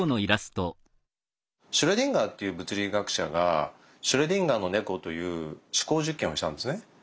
シュレディンガーっていう物理学者が「シュレディンガーの猫」という思考実験をしたんですね。